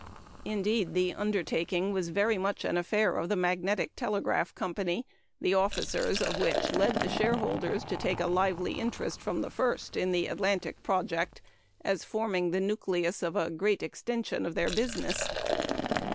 Indeed, the undertaking was very much an affair of the Magnetic Telegraph Company, the officers of which led the shareholders to take a lively interest from the first in the Atlantic project as forming the nucleus of a great extension of business.